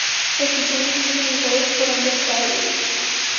Los pichones son alimentados por ambos padres.